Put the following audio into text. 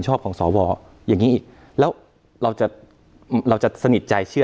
ชอบของสวอย่างนี้อีกแล้วเราจะเราจะสนิทใจเชื่อ